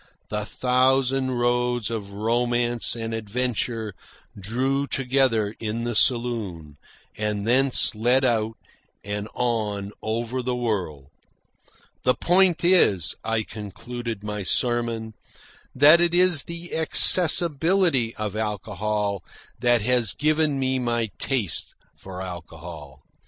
The thousand roads of romance and adventure drew together in the saloon, and thence led out and on over the world. "The point is," I concluded my sermon, "that it is the accessibility of alcohol that has given me my taste for alcohol.